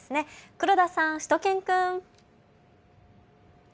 黒田さん、しゅと犬くん。